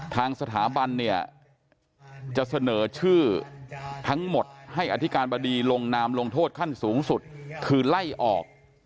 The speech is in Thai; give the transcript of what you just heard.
ทางสถาบันเนี่ยจะเสนอชื่อทั้งหมดให้อธิการบดีลงนามลงโทษขั้นสูงสุดคือไล่ออก